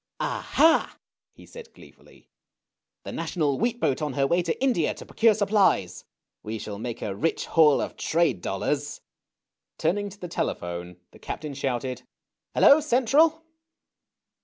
" Aha !" he said gleefully. " The National wheat boat on her way to India to procure supplies. We shall make a rich haul of trade dollars." Turning to the telephone the Captain shouted, " Hello, Central